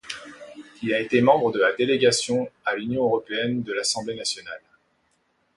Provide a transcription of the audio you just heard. Il a été membre de la Délégation à l'Union européenne de l'Assemblée nationale.